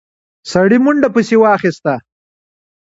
سړي منډه پسې واخيسته.